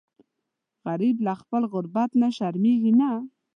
غریب له خپل غربت نه شرمیږي نه